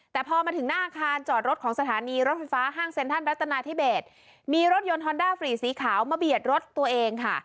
แต่พอมาถึงหน้าอาคารจอดรถของสถานีรถไฟฟ้าห้างเซ็นทรัลรัตนาธิเบสมีรถยนต์ฮอนด้าฟรีสีขาวมาเบียดรถตัวเองค่ะ